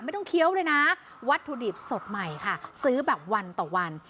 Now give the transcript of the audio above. เคี้ยวเลยนะวัตถุดิบสดใหม่ค่ะซื้อแบบวันต่อวัน